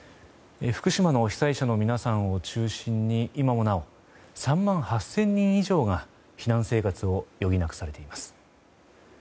福島の被災者の皆さんを中心に今もなお３万８０００人以上が避難生活を余儀なくされています。